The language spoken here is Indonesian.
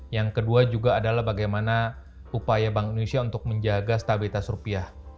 yang kedua juga adalah bagaimana upaya bank indonesia untuk menjaga stabilitas rupiah